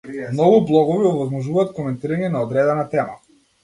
Многу блогови овозможуваат коментирање на одредена тема.